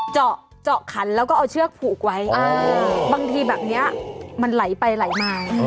เจาะเจาะขันแล้วก็เอาเชือกผูกไว้บางทีแบบนี้มันไหลไปไหลมา